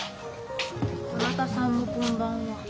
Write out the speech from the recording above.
どなたさんもこんばんは。